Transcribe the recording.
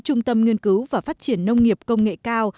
trung tâm nghiên cứu và phát triển nông nghiệp công nghệ cao